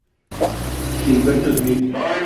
Gilberto Smith